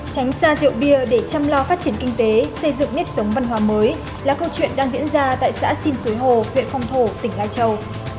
tránh xa rượu bia để chăm lo phát triển kinh tế xây dựng nếp sống văn hóa mới là câu chuyện đang diễn ra tại xã xin suối hồ huyện phong thổ tỉnh lai châu